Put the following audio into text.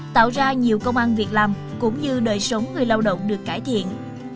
tạo ra nhiều công an việc làm cũng như đời sống người lao động được cải thiện